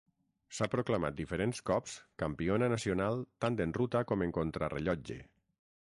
S'ha proclamat diferents cops campiona nacional tant en ruta com en contrarellotge.